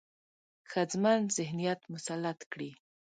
ښځمن ذهنيت مسلط کړي،